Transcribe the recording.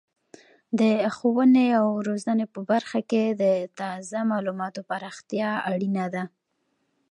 د ښوونې او روزنې په برخه کې د تازه معلوماتو پراختیا اړینه ده.